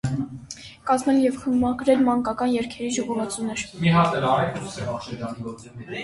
Կազմել և խմբագրել է մանկական երգերի ժողովածուներ։